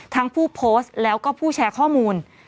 ผู้โพสต์แล้วก็ผู้แชร์ข้อมูล